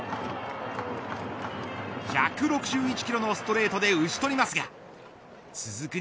１６１キロのストレートで打ち取りますが続く